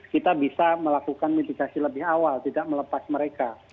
kita bisa melakukan mitigasi lebih awal tidak melepas mereka